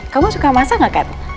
kamu suka masak gak cat